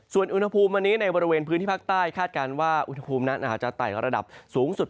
ส่วนอุณหภูมิวันนี้ในบริเวณพื้นที่ภาคใต้คาดการณ์ว่าอุณหภูมินั้นอาจจะไต่ระดับสูงสุด